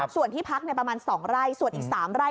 ส่วนที่พักประมาณ๒ไร่ส่วนอีก๓ไร่